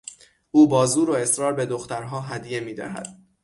او با زور و اصرار به دخترها هدیه میدهد.